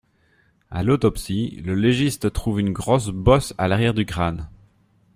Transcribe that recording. À l’autopsie, le légiste trouve une grosse bosse à l’arrière du crâne.